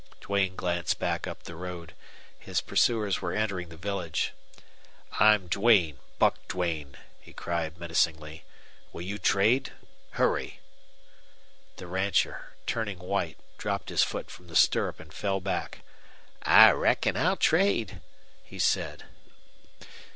Duane glanced back up the road. His pursuers were entering the village. "I'm Duane Buck Duane," he cried, menacingly. "Will you trade? Hurry!" The rancher, turning white, dropped his foot from the stirrup and fell back. "I reckon I'll trade," he said.